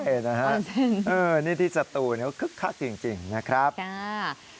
เห็นเหรอฮะนี่ที่สตูนคือคักจริงนะครับค่ะ